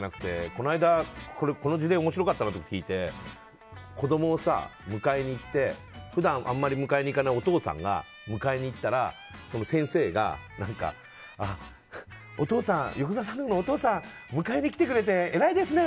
この間、この事例面白いなって聞いたのは子供を迎えに行って普段あまり迎えに行かないお父さんが迎えに行ったら先生が、あっ、お父さん迎えに来てくれて偉いですね！